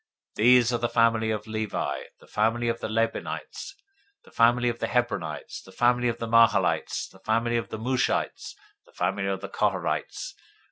026:058 These are the families of Levi: the family of the Libnites, the family of the Hebronites, the family of the Mahlites, the family of the Mushites, the family of the Korahites.